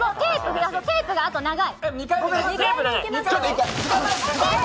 テープがあと長い！